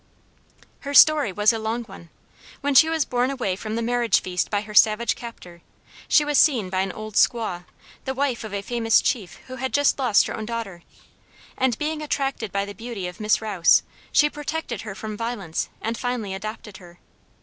Her story was a long one. When she was borne away from the marriage feast by her savage captor, she was seen by an old squaw, the wife of a famous chief who had just lost her own daughter, and being attracted by the beauty of Miss Rouse, she protected her from violence, and finally adopted her.